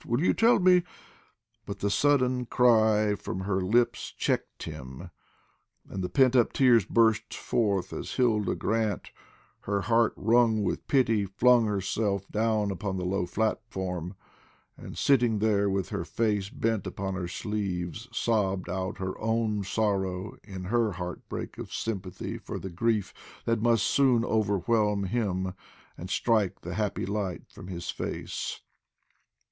Will you tell me " But the sudden cry from her lips checked him, and the pent up tears burst forth as Hilda Grant, her heart wrung with pity, flung herself down upon the low platform, and sitting there with her face bent upon her sleeves, sobbed out her own sorrow in her heartbreak of sympathy for the grief that must soon overwhelm him and strike the happy light from his face.